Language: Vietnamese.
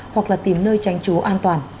hoặc là tìm nơi tranh chú an toàn